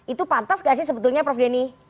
itu pantas gak sih sebetulnya prof denny